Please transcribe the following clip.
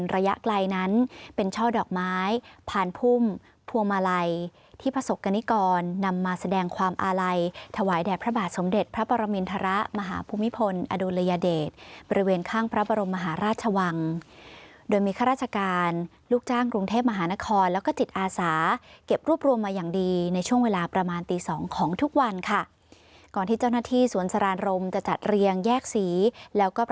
ระยะไกลนั้นเป็นช่อดอกไม้ผ่านพุ่มพวงมาลัยที่ประสบกรณิกรนำมาแสดงความอาลัยถวายแด่พระบาทสมเด็จพระปรมินทรมาหาภูมิพลอดุลยเดชบริเวณข้างพระบรมมหาราชวังโดยมีข้าราชการลูกจ้างกรุงเทพมหานครแล้วก็จิตอาสาเก็บรวบรวมมาอย่างดีในช่วงเวลาประมาณตีสองของทุกวันค่ะก่อนที่เจ้าหน้าที่สวนสรานรมจะจัดเรียงแยกสีแล้วก็ประ